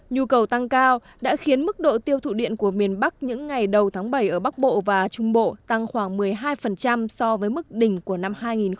nhu cầu tăng cao đã khiến mức độ tiêu thụ điện của miền bắc những ngày đầu tháng bảy ở bắc bộ và trung bộ tăng khoảng một mươi hai so với mức đỉnh của năm hai nghìn một mươi tám